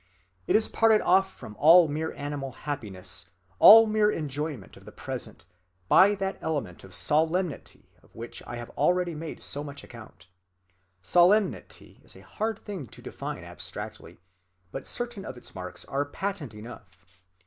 It is parted off from all mere animal happiness, all mere enjoyment of the present, by that element of solemnity of which I have already made so much account. Solemnity is a hard thing to define abstractly, but certain of its marks are patent enough.